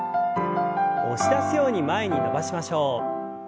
押し出すように前に伸ばしましょう。